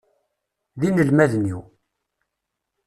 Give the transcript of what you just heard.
D inelmaden-iw.